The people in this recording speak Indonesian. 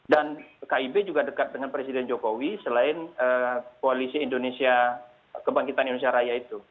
dan kib juga dekat dengan presiden jokowi selain koalisi indonesia kebangkitan indonesia raya itu